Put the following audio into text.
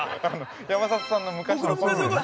山里さんの昔のコンビ名。